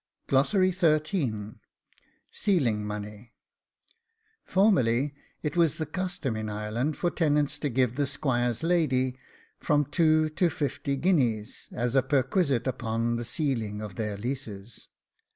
SEALING MONEY. Formerly it was the custom in Ireland for tenants to give the squire's lady from two to fifty guineas as a perquisite upon the sealing of their leases.